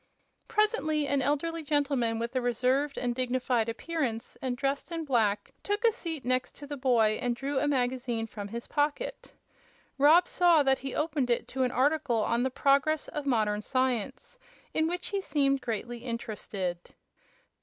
Presently an elderly gentleman with a reserved and dignified appearance and dressed in black took a seat next to the boy and drew a magazine from his pocket. Rob saw that he opened it to an article on "The Progress of Modern Science," in which he seemed greatly interested.